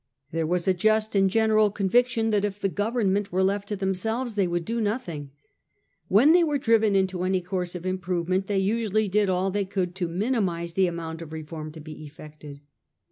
There was a just and general conviction that if the Government were left to themselves they would do nothing. When they were driven into any course, of improvement they usually did all they could to minimise the amount of reform to be effected.